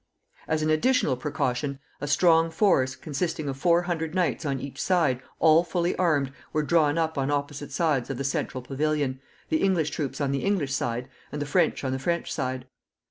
As an additional precaution, a strong force, consisting of four hundred knights on each side, all fully armed, were drawn up on opposite sides of the central pavilion, the English troops on the English side, and the French on the French side.